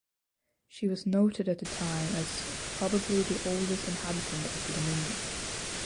She was noted at the time as "probably the oldest inhabitant of the dominion".